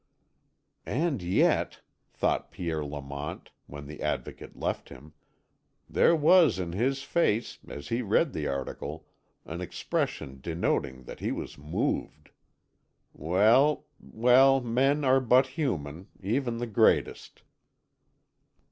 "And yet," thought Pierre Lamont, when the Advocate left him, "there was in his face, as he read the article, an expression denoting that he was moved. Well, well men are but human, even the greatest."